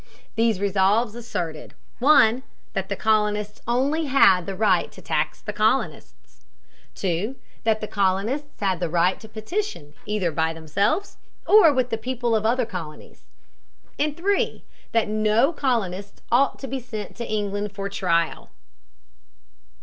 These resolves asserted: (1) that the colonists only had the right to tax the colonists; (2) that the colonists had the right to petition either by themselves or with the people of other colonies; and (3) that no colonist ought to be sent to England for trial.